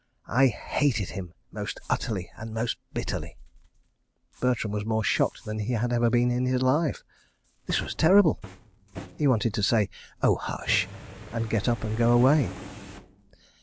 ... I hated him most utterly and most bitterly. ..." Bertram was more shocked than he had ever been in his life. .. This was terrible! ... He wanted to say, "Oh, hush!" and get up and go away.